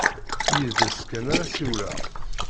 Yid-s kan ara ssiwleɣ.